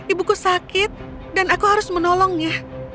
ibuku sakit dan aku harus menolongnya